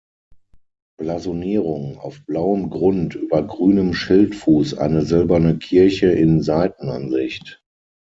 Blasonierung: „Auf blauem Grund über grünem Schildfuß eine silberne Kirche in Seitenansicht.